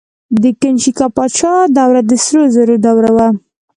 د کنیشکا پاچا دوره د سرو زرو دوره وه